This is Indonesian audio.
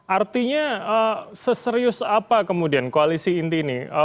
artinya seserius apa kemudian koalisi inti ini